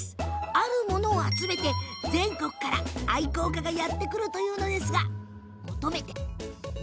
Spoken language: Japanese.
あるものを求めて全国から愛好家がやって来るというのですが。